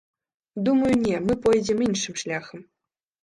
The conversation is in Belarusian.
Думаю, не, мы пойдзем іншым шляхам.